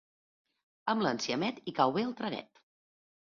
Amb l'enciamet hi cau bé el traguet.